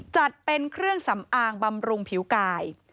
จัดเป็นเครื่องสำอางบำรุงผิวกาย